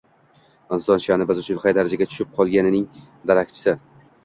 inson sha’ni biz uchun qay darajaga tushib qolganining darakchisi